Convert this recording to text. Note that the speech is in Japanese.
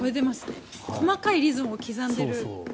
細かいリズムを刻んでる。